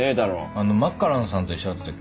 あのマッカランさんと一緒だった時か。